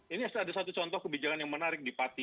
ini ada satu contoh kebijakan yang menarik di pati